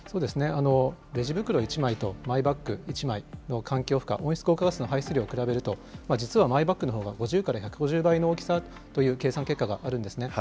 レジ袋１枚とマイバッグ１枚の環境負荷、温室効果ガスの排出量を比べると、実はマイバッグのほうが、５０から１５０倍の大きさという計算結果があるんですね。